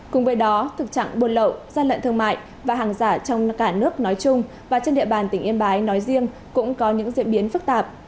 cùng với đó thực trạng buôn lậu gian lận thương mại và hàng giả trong cả nước nói chung và trên địa bàn tỉnh yên bái nói riêng cũng có những diễn biến phức tạp